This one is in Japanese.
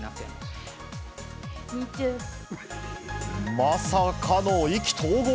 まさかの意気投合？